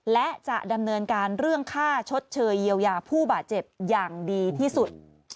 และจะดำเนินการเรื่องค่าชดเชยเยียวยาผู้บาดเจ็บอย่างดีที่สุด